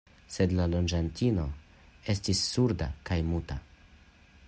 Sed la loĝantino estas surda kaj muta.